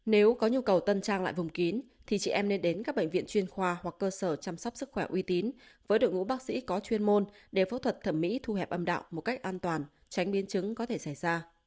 nếu có nhu cầu tân trang lại vùng kín thì chị em nên đến các bệnh viện chuyên khoa hoặc cơ sở chăm sóc sức khỏe uy tín với đội ngũ bác sĩ có chuyên môn để phẫu thuật thẩm mỹ thu hẹp âm đạo một cách an toàn tránh biến chứng có thể xảy ra